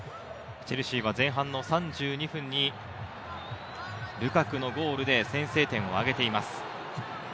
チェルシーは前半の３２分にルカクのゴールで先制点を挙げています。